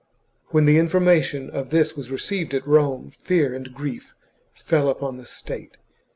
When information of this was received at Rome, chap. XXXIX. fear and grief fell upon the .state.